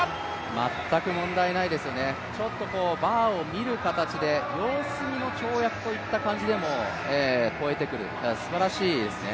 全く問題ないですよね、ちょっとバーを見る形で、様子見の跳躍といった感じでも越えてくる。